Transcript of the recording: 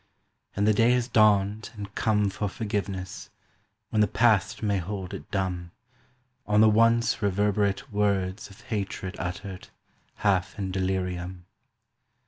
"And the day has dawned and come For forgiveness, when the past may hold it dumb On the once reverberate words of hatred uttered Half in delirium